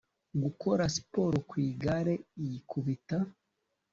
gukora sport kwigare yikubita